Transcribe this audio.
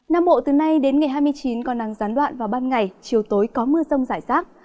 nam bộ từ nay đến ngày hai mươi chín có nắng gián đoạn vào ban ngày chiều tối có mưa rông rải rác